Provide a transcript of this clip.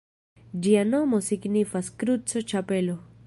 Ĝia nomo signifas “Kruco-Ĉapelo”.